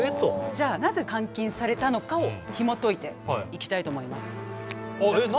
じゃあなぜ監禁されたのかをひもといていきたいと思います。